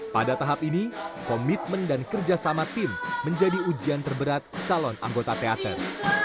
pada tahap ini komitmen dan kerjasama tim menjadi ujian terberat calon anggota teater